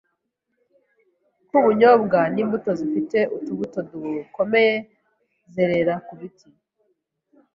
nk’ubunyobwa n’imbuto zifite utubuto dukomeye zerera ku biti,